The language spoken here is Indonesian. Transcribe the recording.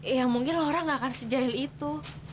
ya mungkin orang gak akan sejahil itu